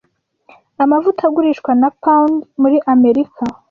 Amavuta agurishwa na pound muri Amerika.